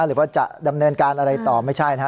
หรือว่าจะดำเนินการอะไรต่อไม่ใช่นะฮะ